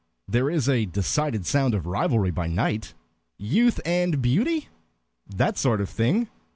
There is a decided 'sound of revelry by night'." "Youth and beauty? That sort of thing?"